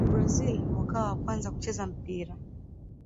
brazil wakawa wa kwanza kucheza mpira